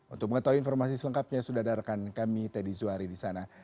untuk mengetahui informasi selengkapnya sudah ada rekan kami teddy zuhari di sana